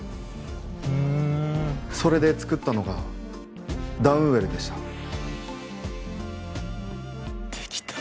うーんそれで作ったのがダウンウェルでしたできた